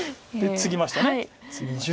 ツギました。